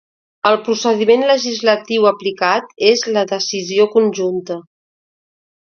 El procediment legislatiu aplicat és la decisió conjunta.